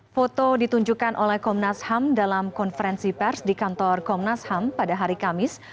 foto ditunjukkan oleh komnas ham dalam konferensi pers di kantor komnas ham pada hari kamis